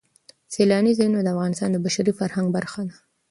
سیلاني ځایونه د افغانستان د بشري فرهنګ برخه ده.